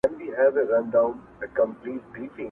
• ستا له نوم سره گنډلي ورځي شپې دي -